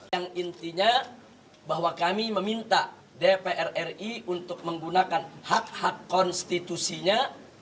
yang intinya bahwa kami meminta dpr ri untuk menggunakan hak hak konstitusinya